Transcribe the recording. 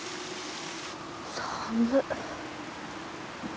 寒っ！